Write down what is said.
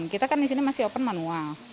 kita kan di sini masih open manual